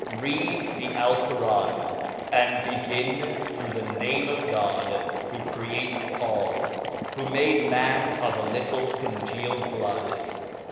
Read the jL^lceran^ and begin through tlie name of God, who crea ted all, who made man of a little congealed blood.